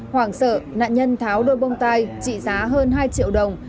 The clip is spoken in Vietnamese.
hoảng sợ nạn nhân tháo đôi bông tai trị giá hơn hai triệu đồng